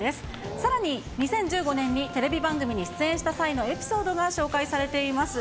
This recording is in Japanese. さらに２０１５年にテレビ番組に出演した際のエピソードが紹介されています。